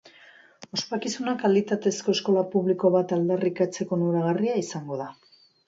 Ospakizuna kalitatezko eskola publiko bat aldarrikatzeko onuragarria izango da.